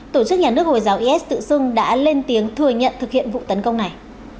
tổ chức nhà nước hồi giáo is tự xưng đã lên tiếng thừa nhận thực hiện vụ tấn công này